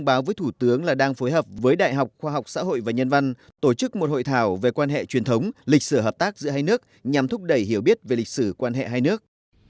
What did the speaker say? báo với thủ tướng là đang phối hợp với đại học khoa học xã hội và nhân văn tổ chức một hội thảo về quan hệ truyền thống lịch sử hợp tác giữa hai nước nhằm thúc đẩy hiểu biết về lịch sử quan hệ hai nước